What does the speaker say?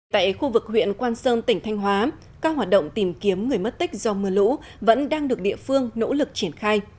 tại khu vực huyện quan sơn tỉnh thanh hóa các hoạt động tìm kiếm người mất tích do mưa lũ vẫn đang được địa phương nỗ lực triển khai